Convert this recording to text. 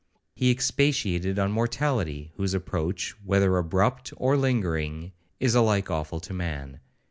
He expatiated on mortality, whose approach, whether abrupt or lingering, is alike awful to man.